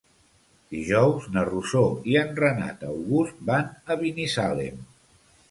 Dijous na Rosó i en Renat August van a Binissalem.